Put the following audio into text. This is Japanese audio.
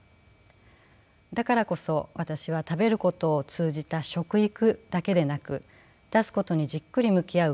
だからこそ私は食べることを通じた食育だけでなく出すことにじっくり向き合う